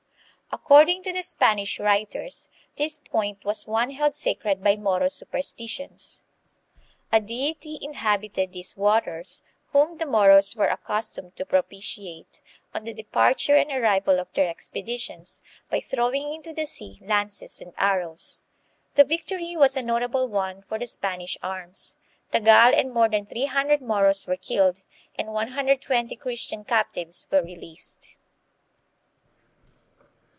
Ac cording to the Spanish writers, this point was one held sacred b y M o r o supersti tions. A deity inhabited these waters, whom the Moros were ac customed to pro pitiate on the de parture and ar rival of their expeditions, b y throwing into the sea lances and Moro Helmet and Coat of MaiL arrOWS ' The vic ' tory was a not able one for the Spanish arms. Tagal and more than 300 Moros were killed, and 120 Christian captives were released.